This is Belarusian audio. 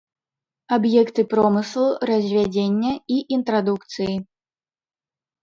Аб'екты промыслу, развядзення і інтрадукцыі.